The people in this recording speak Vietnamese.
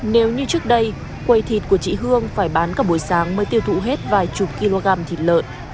nếu như trước đây quầy thịt của chị hương phải bán cả buổi sáng mới tiêu thụ hết vài chục kg thịt lợn